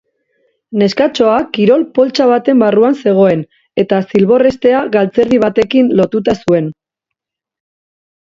Neskatxoa kirol poltsa baten barruan zegoen eta zilborrestea galtzerdi batekin lotuta zuen.